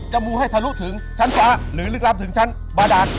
มูให้ทะลุถึงชั้นฟ้าหรือลึกลับถึงชั้นบาดาน